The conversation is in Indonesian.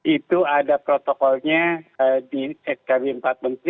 itu ada protokolnya di skb empat menteri atau di skb empat menteri